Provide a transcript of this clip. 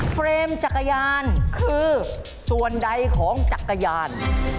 เฟรมจักรยานคือส่วนใดของจักรยาน